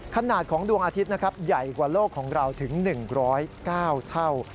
ขนาดของดวงอาทิตย์นะครับใหญ่กว่าโลกของเราถึง๑๐๙เท่า